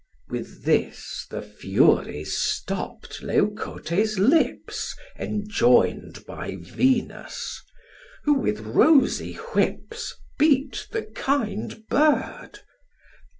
With this, the Furies stopp'd Leucote's lips, Enjoin'd by Venus; who with rosy whips Beat the kind bird.